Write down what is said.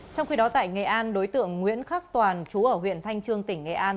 trong khi đó tại nghệ an đối tượng nguyễn khắc toàn chú ở huyện thanh trương tỉnh nghệ an